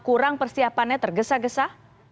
kurang persiapannya tergesa gesa